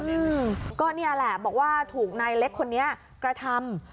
อืมก็เนี่ยแหละบอกว่าถูกนายเล็กคนนี้กระทำ